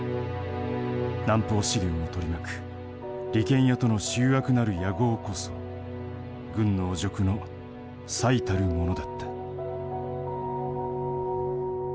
南方資源を取り巻く利権屋との醜悪なる野合こそ軍の汚辱の最たるものだった。